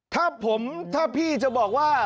ถ้าผมถ้าพี่จะบอกว่า